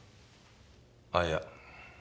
あっいや。